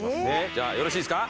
じゃあよろしいですか？